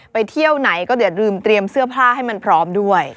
ไปเที่ยวไหนก็เดี๋ยวลืมเตรียมเสื้อผ้าให้มันพร้อมด้วย